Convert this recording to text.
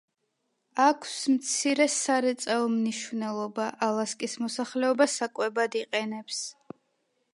აქვს მცირე სარეწაო მნიშვნელობა; ალასკის მოსახლეობა საკვებად იყენებს.